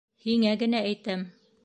Һиңә генә әйтәм.